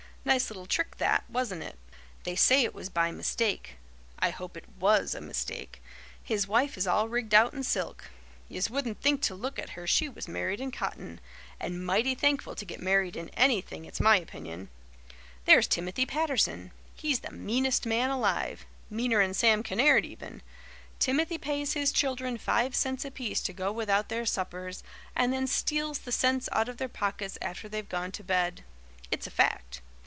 Nice little trick that, wasn't it? They say it was by mistake. I hope it WAS a mistake. His wife is all rigged out in silk. Yez wouldn't think to look at her she was married in cotton and mighty thankful to get married in anything, it's my opinion. There's Timothy Patterson. He's the meanest man alive meaner'n Sam Kinnaird even. Timothy pays his children five cents apiece to go without their suppers, and then steals the cents out of their pockets after they've gone to bed. It's a fact.